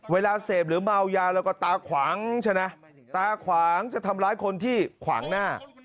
เวลาเสพหรือเมายาแล้วก็ตาขวางใช่ไหมตาขวางจะทำร้ายคนที่ขวางหน้า